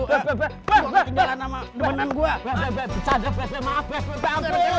lu ketinggalan sama demenan gua